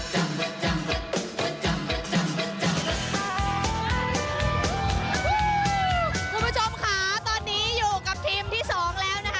คุณผู้ชมค่ะอยู่กับทีมที่๒แล้ว